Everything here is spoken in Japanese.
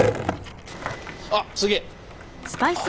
あっすげえ。